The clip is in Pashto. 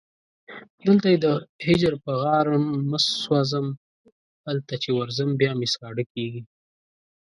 دلته یې د هجر په غارمه سوځم هلته چې ورځم بیا مې ساړه کېږي